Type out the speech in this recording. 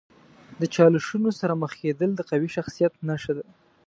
د چالشونو سره مخ کیدل د قوي شخصیت نښه ده.